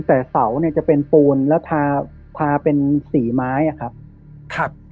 แต่เสาเนี่ยจะเป็นปูนแล้วทาทาเป็นสีไม้อ่ะครับ